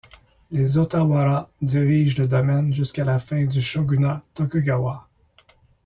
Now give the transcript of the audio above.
Les Ōtawara dirigent le domaine jusqu'à la fin du Shogunat Tokugawa.